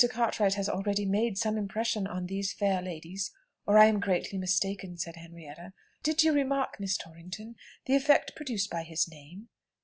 Cartwright has already made some impression on these fair ladies, or I am greatly mistaken," said Henrietta. "Did you remark, Miss Torrington, the effect produced by his name?"